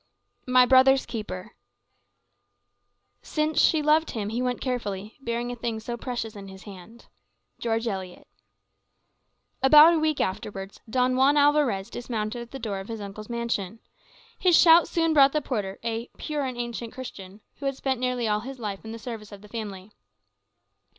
My Brother's Keeper "Since she loved him, he went carefully, Bearing a thing so precious in his hand." George Eliot About a week afterwards, Don Juan Alvarez dismounted at the door of his uncle's mansion. His shout soon brought the porter, a "pure and ancient Christian," who had spent nearly all his life in the service of the family.